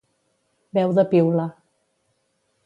Veu de piula.